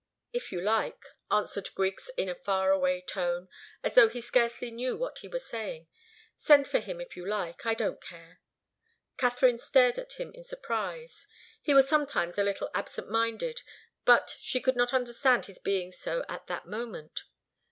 "If you like," answered Griggs, in a far away tone, as though he scarcely knew what she was saying. "Send for him if you like. I don't care." Katharine stared at him in surprise. He was sometimes a little absent minded, but she could not understand his being so at that moment.